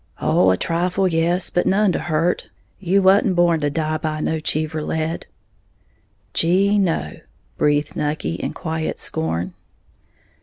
'"] "Oh, a trifle, yes, but none to hurt, you wa'n't born to die by no Cheever lead." "Gee, no," breathed Nucky, in quiet scorn.